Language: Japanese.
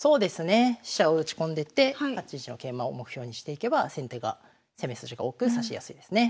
飛車を打ち込んでって８一の桂馬を目標にしていけば先手が攻め筋が多く指しやすいですね。